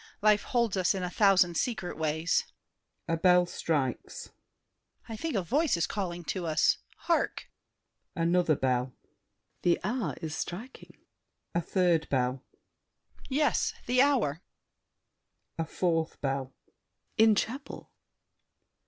Life holds us in a thousand secret ways. [A bell strikes. I think a voice is calling to us. Hark! [Another bell. SAVERNY. The hour is striking. [A third bell. DIDIER. Yes, the hour! [A fourth bell. SAVERNY. In chapel!